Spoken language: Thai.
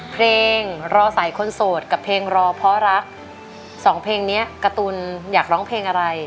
เพลงรอสายคนโสดกับเพลงรอเพราะรักสองเพลงเนี้ยการ์ตูนอยากร้องเพลงอะไร